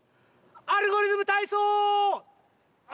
「アルゴリズムたいそう」！